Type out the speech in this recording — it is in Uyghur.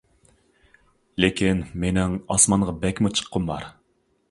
-لېكىن مېنىڭ ئاسمانغا بەكمۇ چىققۇم بار.